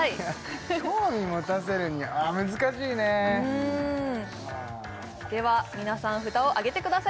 興味持たせるには難しいねでは皆さん札をあげてください